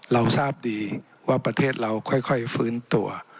เราทราบดีว่าประเทศเราค่อยฟื้นตัว